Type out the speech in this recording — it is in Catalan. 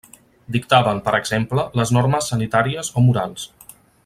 Dictaven, per exemple, les normes sanitàries o morals.